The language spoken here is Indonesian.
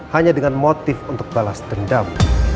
hanya dengan motif untuk balas dendam